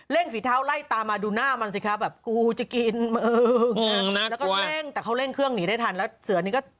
ฝีเท้าไล่ตามมาดูหน้ามันสิคะแบบกูจะกินมือแล้วก็เร่งแต่เขาเร่งเครื่องหนีได้ทันแล้วเสือนี้ก็